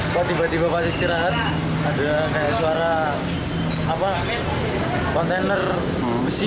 kok tiba tiba pas istirahat ada kayak suara kontainer besi